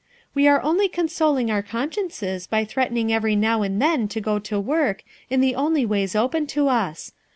We are only consoling our consciences by threatening every now and then to go to work in the only ways open to us.